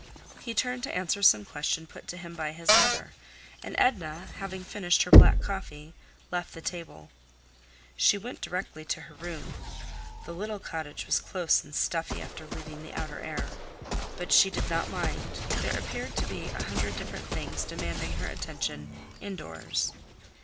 He turned to answer some question put to him by his mother, and Edna, having finished her black coffee, left the table. She went directly to her room. The little cottage was close and stuffy after leaving the outer air. But she did not mind; there appeared to be a hundred different things demanding her attention indoors.